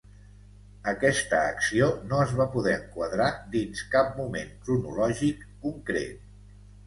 Aquesta acció no es va poder enquadrar dins cap moment cronològic concret.